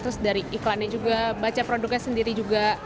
terus dari iklannya juga baca produknya sendiri juga